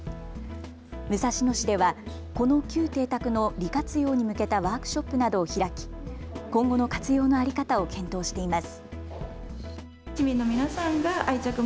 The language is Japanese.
武蔵野市ではこの旧邸宅の利活用に向けたワークショップなどを開き今後の活用の在り方を検討しています。